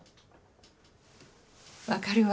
わかるわ。